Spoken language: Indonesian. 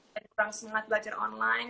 kurang semangat belajar online